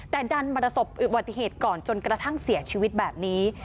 แต่ดันมาประสบอุบัติเหตุก่อนจนกระทั่งเสียชีวิตแบบนี้